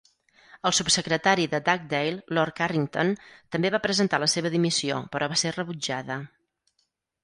El subsecretari de Dugdale, Lord Carrington, també va presentar la seva dimissió, però va ser rebutjada.